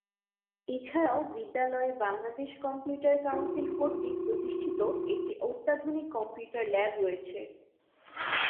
এছাড়াও বিদ্যালয়ে Bangladesh computer council কর্তৃক প্রতিষ্ঠিত একটি অত্যাধুনিক কম্পিউটার ল্যাব রয়েছে।